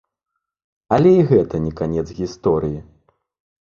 Але і гэта не канец гісторыі.